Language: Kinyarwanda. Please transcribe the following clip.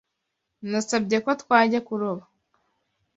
Nasabye ko twajya kuroba.